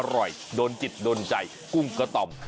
อร่อยโดนจิตโดนใจกุ้งกระต่อม